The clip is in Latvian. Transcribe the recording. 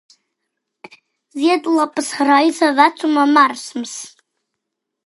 Ziedlapas raisa vecuma marasms.